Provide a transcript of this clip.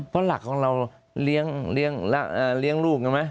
เพราะหลักของเราเลี้ยงลูก